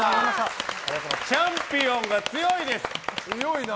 チャンピオンが強いです。